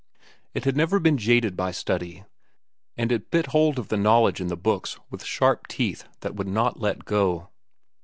It had never been jaded by study, and it bit hold of the knowledge in the books with sharp teeth that would not let go.